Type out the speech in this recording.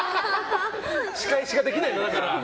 仕返しができないんだ。